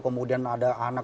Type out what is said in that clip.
kemudian ada anak